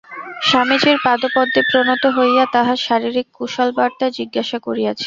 স্বামীজীর পাদপদ্মে প্রণত হইয়া তাঁহার শারীরিক কুশলবার্তা জিজ্ঞাসা করিয়াছে।